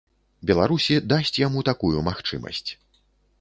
Беларусі дасць яму такую магчымасць.